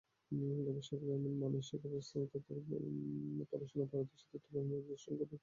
গবেষকেরা এসব মানসিক অবস্থা এবং তাদের পড়াশোনায় পারদর্শিতার তুলনামূলক বিশ্লেষণ করেন।